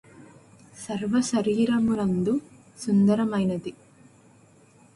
సర్వశరీరమునందు సుందరమైనది